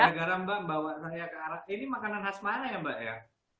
gara gara mbak bawa saya ke arah ini makanan khas mana ya mbak ya